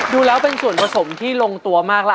ดูแล้วเป็นส่วนผสมที่ลงตัวมากแล้ว